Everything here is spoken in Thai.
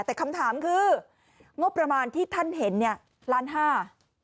แต่คำถามคืองบประมาณที่ท่านเห็นเนี่ยล้านห้า